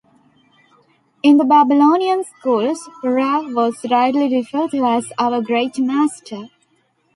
In the Babylonian schools, Rav was rightly referred to as our great master.